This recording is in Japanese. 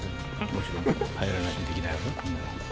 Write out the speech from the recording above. もちろん入らないとできないわ。